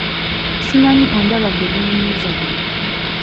Simanyi ondaba ggwe gwe nnyumiza bino?